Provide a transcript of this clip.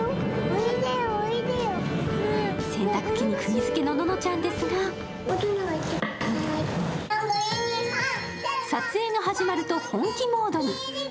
洗濯機にくぎづけのののちゃんですが撮影が始まると本気モードに。